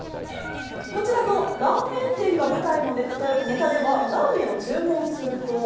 こちらのラーメン店が舞台のネタでは、ラーメンを注文すると。